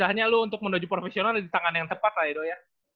maksudnya lu untuk menuju profesional di tangan yang tepat lah ya do ya